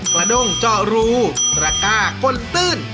กระด้งเจาะรูตระก้าก้นตื้น